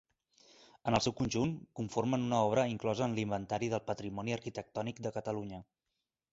En el seu conjunt, conformen una obra inclosa en l'Inventari del Patrimoni Arquitectònic de Catalunya.